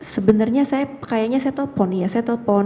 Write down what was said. sebenarnya saya kayaknya saya telepon